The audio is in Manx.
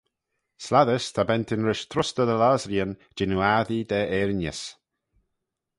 Slattys ta bentyn rish trustyr dy lossreeyn jannoo assee da eirinys.